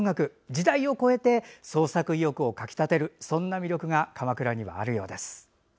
時代を越えて創作意欲をかき立てるそんな魅力が鎌倉にはあるようです。